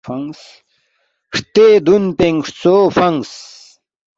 ہرتے دُون پِنگ ہرژو فنگس